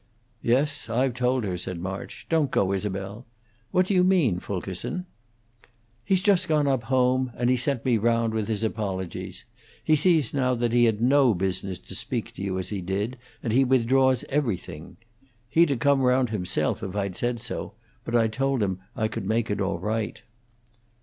"Yes, I've told her," said March. "Don't go, Isabel. What do you mean, Fulkerson?" "He's just gone on up home, and he sent me round with his apologies. He sees now that he had no business to speak to you as he did, and he withdraws everything. He'd 'a' come round himself if I'd said so, but I told him I could make it all right."